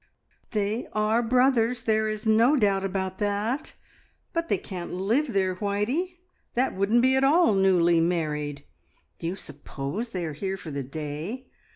"They are brothers there is no doubt about that; but they can't live there, Whitey! That wouldn't be at all newly married. Do you suppose they are here for the day?